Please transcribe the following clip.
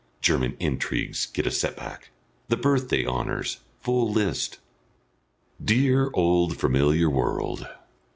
GERMAN INTRIGUES GET A SET BACK. THE BIRTHDAY HONOURS. FULL LIST. Dear old familiar world!